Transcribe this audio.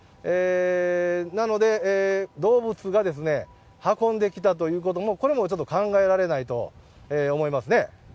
なので、動物が運んできたということも、これもちょっと考えられないと思いますね。